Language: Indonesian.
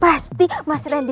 pasti mas ren disayangku